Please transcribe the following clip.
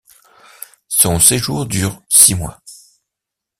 Son séjour dure six mois.